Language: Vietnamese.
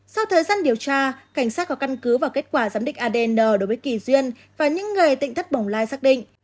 sau thời gian điều tra cảnh sát có căn cứ vào kết quả giám định adn đối với kỳ duyên và những người tịnh thất bồng lai xác định